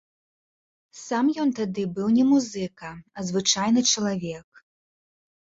Сам ён тады быў не музыка, а звычайны чалавек.